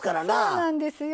そうなんですよ。